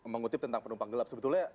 mengutip tentang penumpang gelap sebetulnya